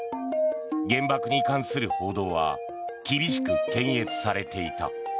原爆に関する報道は厳しく検閲されていた。